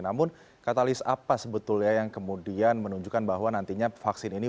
namun katalis apa sebetulnya yang kemudian menunjukkan bahwa nantinya vaksin ini